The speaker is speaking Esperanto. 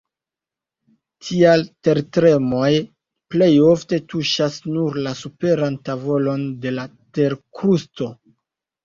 Tial tertremoj plej ofte tuŝas nur la superan tavolon de la terkrusto.